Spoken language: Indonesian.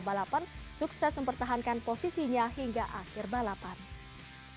balapan sukses mempertahankan posisinya hingga akhir balapan hai hai hai hai hai hai hai